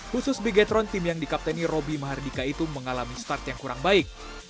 khusus bigetron tim yang dikapteni roby mahardika itu mengalami start yang kurang baik